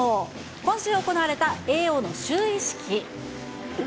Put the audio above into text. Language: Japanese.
今週行われた叡王の就位式。